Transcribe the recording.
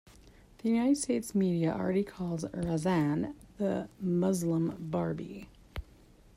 The United States media already calls "Razanne" the "Muslim Barbie".